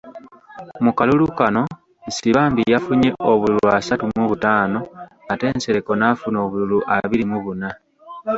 Mu kalulu kano, Nsibambi yafunye obululu asatu mu butaano ate Nsereko n’afuna obululu abiri mu buna.